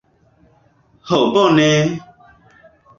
Ho bone!